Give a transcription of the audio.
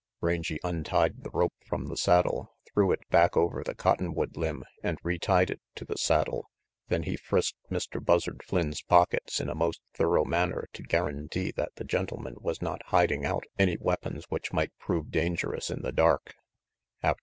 Rangy untied the rope from the saddle, threw it back over the cottonwood limb and retied it to the saddle. Then he frisked Mr. Buzzard Flynn's pockets in a most thorough manner to guarantee that the gentleman was not hiding out any weapons which might prove dangerous in the dark.